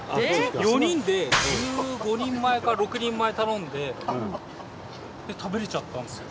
４人で１５人前か１６人前頼んで食べれちゃったんですよ。